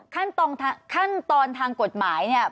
อ๋อคือขั้นตอนทางกฎหมายเนี่ย